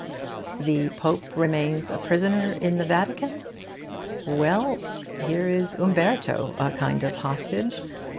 The Pope remains a prisoner in the Vatican? Well, here is Umberto, a kind of hostage.